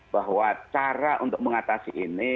bahwa cara untuk mengatasi ini